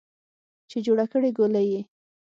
چې جوړه کړې ګولۍ یې